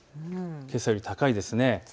けさより高いですね。